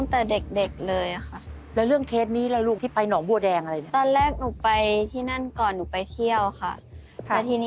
ถูกทุกวัน